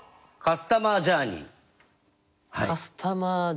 カスタマージャーニー？